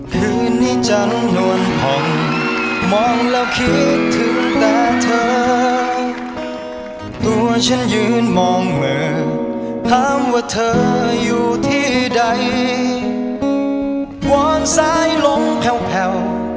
เพลงนี้จะเป็นงานหนักของตั๊ดแล้วก็เก็บรายละเอียดต่างให้แบบเงียบที่สุด